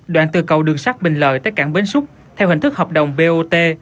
đoạn từ cầu đường sắt bình lợi tới cảng bến xúc theo hình thức hợp đồng bot